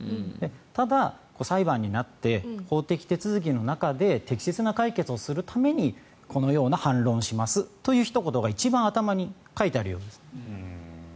ただ、裁判になって法的手続きの中で適切な解決をするためにこのような反論をしますというひと言が一番頭に書いてあるようです。